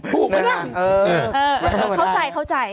ถูกมั้ยนะเข้าใจ